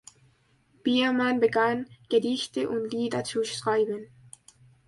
Biermann begann, Gedichte und Lieder zu schreiben.